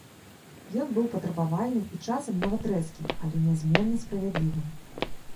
Ён быў патрабавальным і часам нават рэзкім, але нязменна справядлівым.